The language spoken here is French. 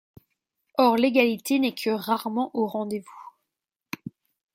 Or l’égalité n’est que rarement au rendez-vous.